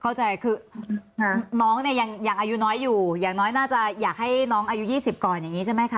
เข้าใจคือน้องเนี่ยยังอายุน้อยอยู่อย่างน้อยน่าจะอยากให้น้องอายุ๒๐ก่อนอย่างนี้ใช่ไหมคะ